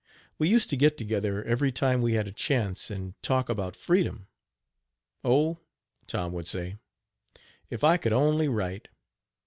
We used to get together every time we had a chance and talk about freedom. "Oh!" Tom would say, "if I could only write.